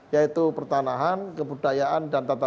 yaitu pertanahan kebudayaan dan tata